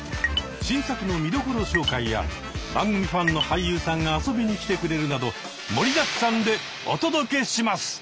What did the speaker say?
新作の見どころ紹介や番組ファンの俳優さんが遊びに来てくれるなど盛りだくさんでお届けします！